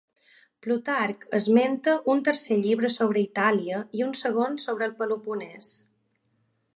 Plutarc esmenta un tercer llibre sobre Itàlia i un segon sobre el Peloponès.